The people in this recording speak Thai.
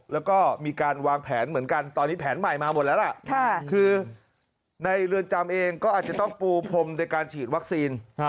แล้วก็มีการวางแผนเหมือนกันตอนนี้แผนใหม่มาหมดแล้วล่ะคือในเรือนจำเองก็อาจจะต้องปูพรมในการฉีดวัคซีน